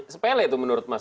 sepele itu menurut mas